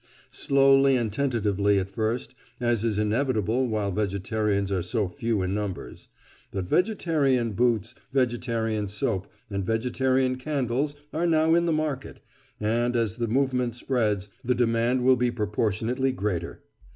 Slowly and tentatively at first, as is inevitable while vegetarians are so few in numbers; but vegetarian boots, vegetarian soap, and vegetarian candles are now in the market, and as the movement spreads, the demand will be proportionately greater.